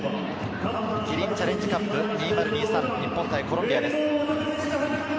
キリンチャレンジカップ２０２３、日本対コロンビアです。